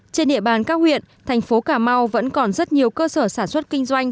trên địa bàn các huyện thành phố cà mau vẫn còn rất nhiều cơ sở sản xuất kinh doanh